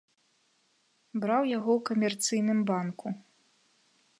Браў яго ў камерцыйным банку.